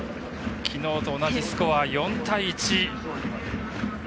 きのうと同じスコア、４対１。